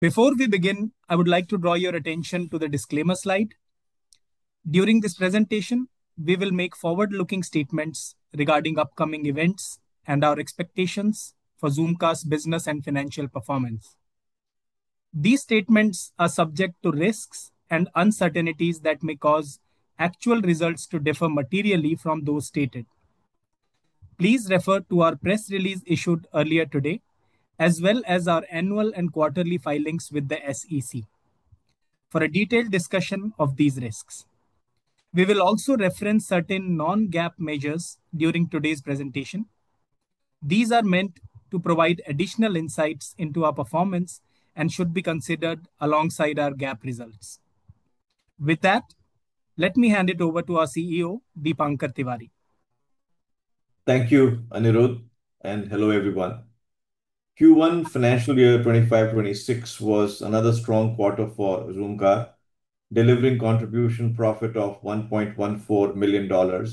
Before we begin, I would like to draw your attention to the disclaimer slide. During this presentation, we will make forward-looking statements regarding upcoming events and our expectations for Zoomcar's business and financial performance. These statements are subject to risks and uncertainties that may cause actual results to differ materially from those stated. Please refer to our press release issued earlier today, as well as our annual and quarterly filings with the SEC, for a detailed discussion of these risks. We will also reference certain non-GAAP measures during today's presentation. These are meant to provide additional insights into our performance and should be considered alongside our GAAP results. With that, let me hand it over to our CEO, Deepankar Tiwari. Thank you, Anirudh, and hello everyone. Q1 financial year 2025-2026 was another strong quarter for Zoomcar, delivering contribution profit of $1.14 million,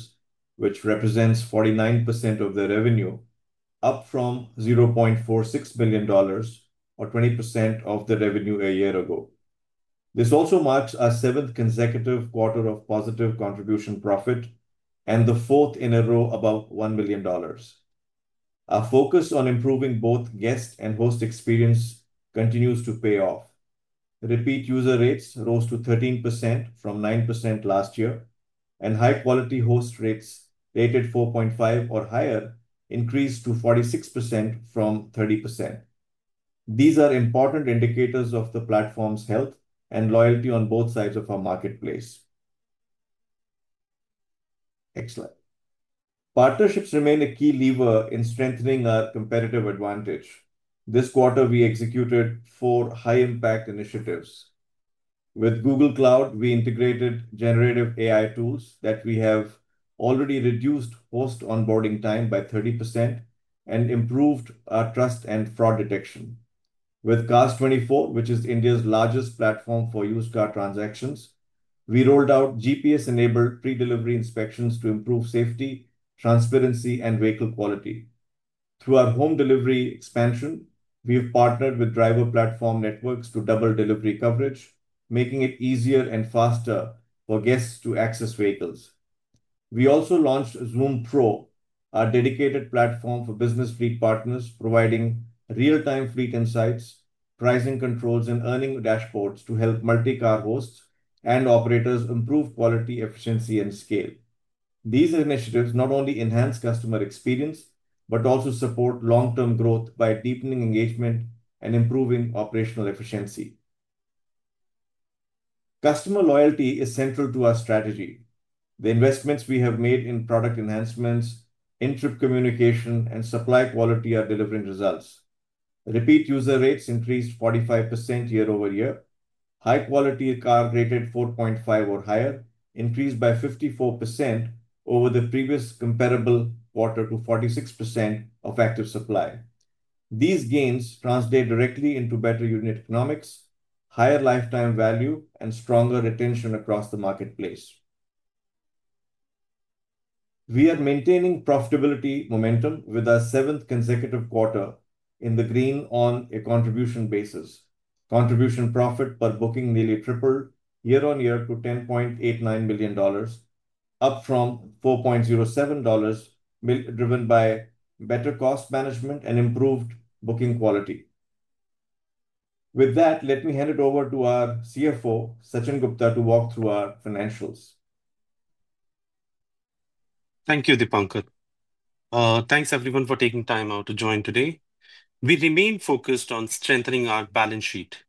which represents 49% of the revenue, up from $0.46 million, or 20% of the revenue a year ago. This also marks our seventh consecutive quarter of positive contribution profit and the fourth in a row above $1 million. Our focus on improving both guest and host experience continues to pay off. Repeat user rates rose to 13% from 9% last year, and high-quality host rates rated 4.5 or higher increased to 46% from 30%. These are important indicators of the platform's health and loyalty on both sides of our marketplace. Next slide. Partnerships remain a key lever in strengthening our competitive advantage. This quarter, we executed four high-impact initiatives. With Google Cloud, we integrated generative AI tools that have already reduced host onboarding time by 30% and improved our trust and fraud detection. With CARS24, which is India's largest platform for used car transactions, we rolled out GPS-enabled pre-delivery inspections to improve safety, transparency, and vehicle quality. Through our home delivery expansion, we have partnered with driver platform networks to double delivery coverage, making it easier and faster for guests to access vehicles. We also launched ZoomPro, our dedicated platform for business fleet partners, providing real-time fleet insights, pricing controls, and earning dashboards to help multi-car hosts and operators improve quality, efficiency, and scale. These initiatives not only enhance customer experience but also support long-term growth by deepening engagement and improving operational efficiency. Customer loyalty is central to our strategy. The investments we have made in product enhancements, in-trip communication, and supply quality are delivering results. Repeat user rates increased 45% year over year. High-quality car rated 4.5 or higher increased by 54% over the previous comparable quarter to 46% of active supply. These gains translate directly into better unit economics, higher lifetime value, and stronger retention across the marketplace. We are maintaining profitability momentum with our seventh consecutive quarter in the green on a contribution basis. Contribution profit per booking nearly tripled year on year to $10.89, up from $4.07, driven by better cost management and improved booking quality. With that, let me hand it over to our CFO, Sachin Gupta, to walk through our financials. Thank you, Deepankar. Thanks, everyone, for taking time out to join today. We remain focused on strengthening our balance sheet.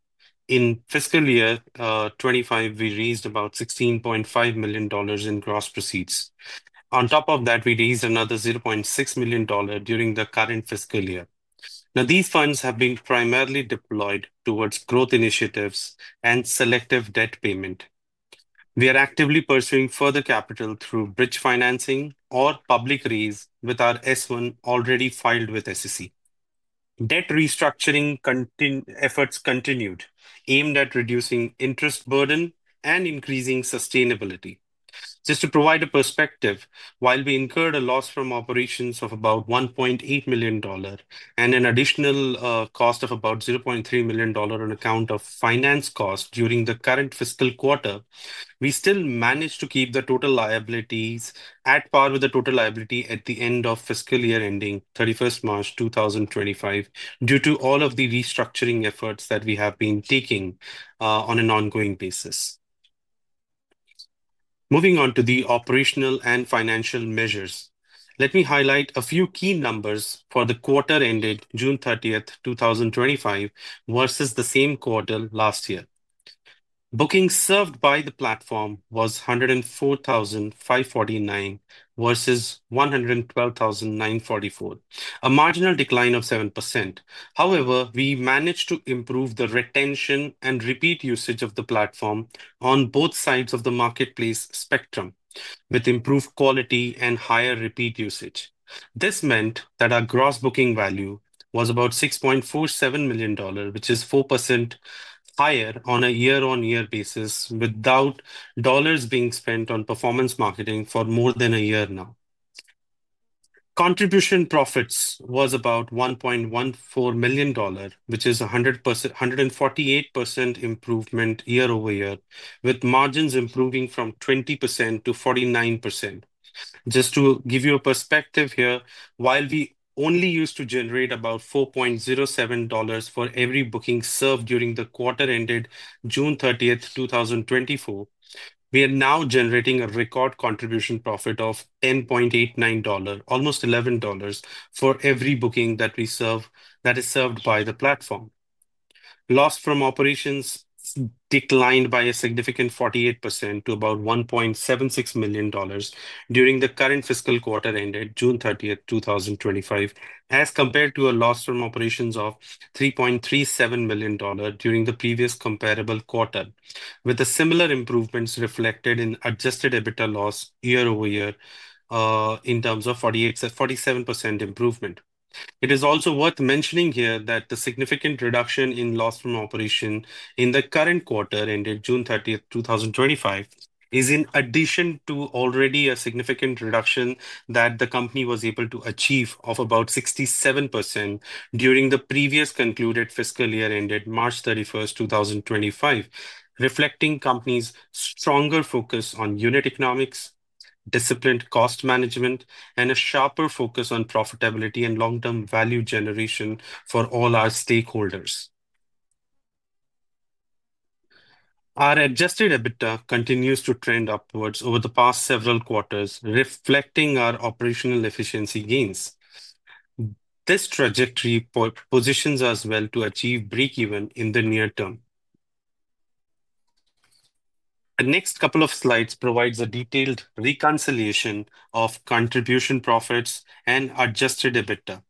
In fiscal year 2025, we raised about $16.5 million in gross proceeds. On top of that, we raised another $0.6 million during the current fiscal year. These funds have been primarily deployed towards growth initiatives and selective debt payment. We are actively pursuing further capital through bridge financing or public raise with our S-1 already filed with the SEC. Debt restructuring efforts continued, aimed at reducing interest burden and increasing sustainability. Just to provide a perspective, while we incurred a loss from operations of about $1.8 million and an additional cost of about $0.3 million on account of finance costs during the current fiscal quarter, we still managed to keep the total liabilities at par with the total liability at the end of fiscal year ending 31st March, 2025, due to all of the restructuring efforts that we have been taking on an ongoing basis. Moving on to the operational and financial measures, let me highlight a few key numbers for the quarter ended June 30th, 2025, versus the same quarter last year. Bookings served by the platform were 104,549 versus 112,944, a marginal decline of 7%. However, we managed to improve the retention and repeat usage of the platform on both sides of the marketplace spectrum, with improved quality and higher repeat usage. This meant that our gross booking value was about $6.47 million, which is 4% higher on a year-on-year basis without dollars being spent on performance marketing for more than a year now. Contribution profits were about $1.14 million, which is a 148% improvement year over year, with margins improving from 20% to 49%. Just to give you a perspective here, while we only used to generate about $4.07 for every booking served during the quarter ended June 30th, 2024, we are now generating a record contribution profit of $10.89, almost $11, for every booking that is served by the platform. Loss from operations declined by a significant 48% to about $1.76 million during the current fiscal quarter ended June 30th, 2025, as compared to a loss from operations of $3.37 million during the previous comparable quarter, with the similar improvements reflected in adjusted EBITDA loss year over year in terms of 47% improvement. It is also worth mentioning here that the significant reduction in loss from operation in the current quarter ended June 30th, 2025, is in addition to already a significant reduction that the company was able to achieve of about 67% during the previous concluded fiscal year ended March 31, 2025, reflecting the company's stronger focus on unit economics, disciplined cost management, and a sharper focus on profitability and long-term value generation for all our stakeholders. Our adjusted EBITDA continues to trend upwards over the past several quarters, reflecting our operational efficiency gains. This trajectory positions us well to achieve breakeven in the near term. The next couple of slides provide a detailed reconciliation of contribution profit and adjusted EBITDA.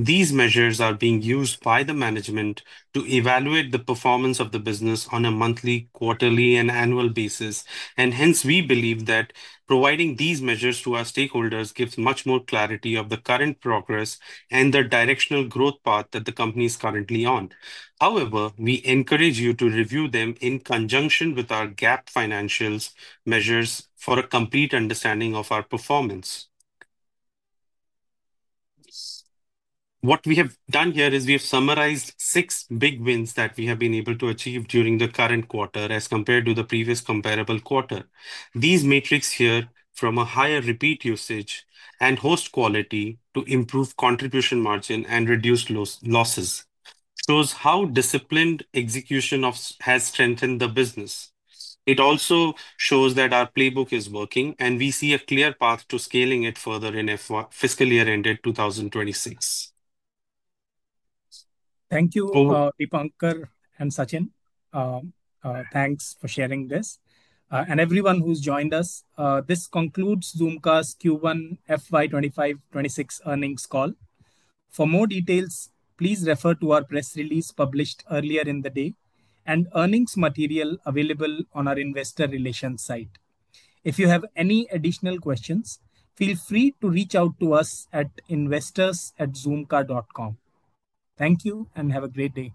These measures are being used by the management to evaluate the performance of the business on a monthly, quarterly, and annual basis, and hence, we believe that providing these measures to our stakeholders gives much more clarity of the current progress and the directional growth path that the company is currently on. However, we encourage you to review them in conjunction with our GAAP financials measures for a complete understanding of our performance. What we have done here is we have summarized six big wins that we have been able to achieve during the current quarter as compared to the previous comparable quarter. These metrics here, from a higher repeat usage and host quality to improved contribution margin and reduced losses, show how disciplined execution has strengthened the business. It also shows that our playbook is working, and we see a clear path to scaling it further in the fiscal year ended 2026. Thank you, Deepankar and Sachin. Thanks for sharing this. Everyone who's joined us, this concludes Zoomcar's Q1 FY 2025-2026 earnings call. For more details, please refer to our press release published earlier in the day and earnings material available on our investor relations site. If you have any additional questions, feel free to reach out to us at investors@zoomcar.com. Thank you and have a great day.